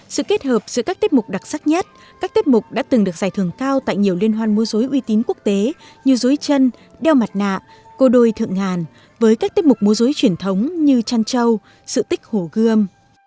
sự kết hợp giữa các tiết mục đặc sắc nhất các tiết mục đã từng được giải thưởng cao tại nhiều liên hoan múa dối uy tín quốc tế như dối chân đeo mặt nạ cô đôi thượng ngàn với các tiết mục múa dối truyền thống như trăn châu sự tích hồ gươm